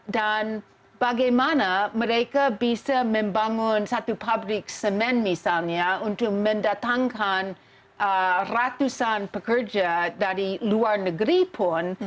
dan bagaimana mereka bisa membangun satu pabrik semen misalnya untuk mendatangkan ratusan pekerja dari luar negeri pun